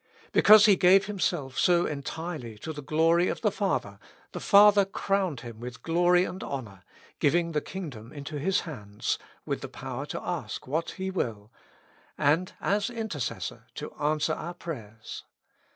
Because He gave Himself so entirely to the glory of the Father, the Father crowned Him with glory and honor, giving the kingdom into His hands, with the power to ask what He will, and, as Inter cessor, to answer our prayers.